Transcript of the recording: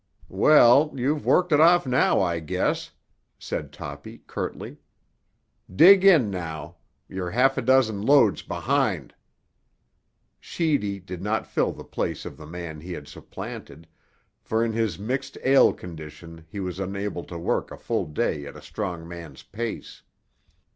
"Well, you've worked it off now, I guess," said Toppy curtly. "Dig in, now; you're half a dozen loads behind." Sheedy did not fill the place of the man he had supplanted, for in his mixed ale condition he was unable to work a full day at a strong man's pace.